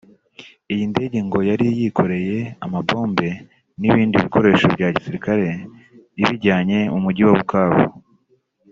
Iyi ndege ngo yari yikoreye amabombe n’ ibindi bikoresho bya gisirikare ibijyanye mu mugi wa Bukavu